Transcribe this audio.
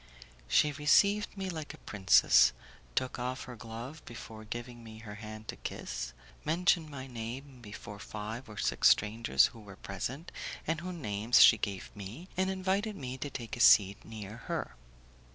She received me like a princess, took off her glove before giving me her hand to kiss, mentioned my name before five or six strangers who were present, and whose names she gave me, and invited me to take a seat near her.